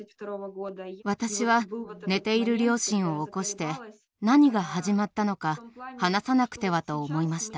私は寝ている両親を起こして何が始まったのか話さなくてはと思いました。